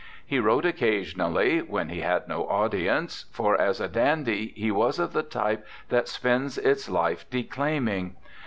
He wrote occasion ally, when he had no audience; for as a dandy he was of the type that spends its life declaiming.